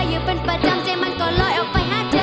อยู่เป็นประจำใจมันก็ลอยออกไปหาเจอ